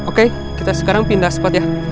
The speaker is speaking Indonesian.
oke kita sekarang pindah spot ya